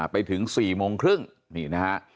ไปถึง๔๓๐นี่นะฮะ